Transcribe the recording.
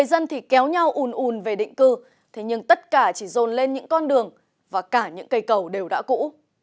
báo nhau ùn ùn về định cư nhưng tất cả chỉ rồn lên những con đường và cả những cây cầu đều đã cũ